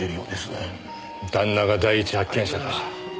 旦那が第一発見者か。